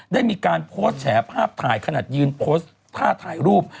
ได้มีการโพสต์แฉภาพถ่ายขนาดยืนโพสต์ท่าถ่ายรูป